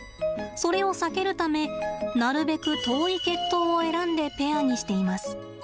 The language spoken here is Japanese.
それを避けるためなるべく遠い血統を選んでペアにしています。